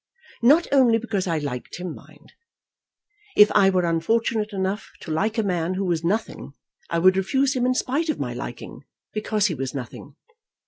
Not only because I liked him, mind! If I were unfortunate enough to like a man who was nothing, I would refuse him in spite of my liking, because he was nothing.